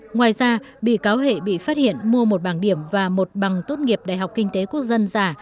ngoài ra bị cáo hệ bị phát hiện mua một bảng điểm và một bằng tốt nghiệp đại học kinh tế quốc dân giả